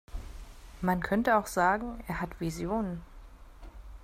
Man könnte auch sagen, er hat Visionen.